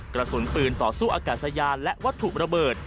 กระสุนปืนต่อสู้อากาศยานและวัตถุระเบิด